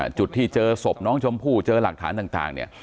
จุดที่เจอศพน้องชมพู่เจอหลักฐานต่างเนี่ย